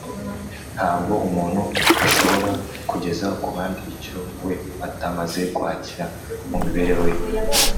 ntabwo umuntu ashobora kugeza ku bandi icyo we atamaze kwakira mu mibereho ye